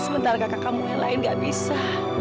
sementara kakak kamu yang lain gak bisa